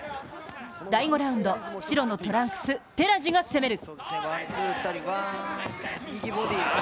第５ラウンド、白のトランクス、寺地が攻める。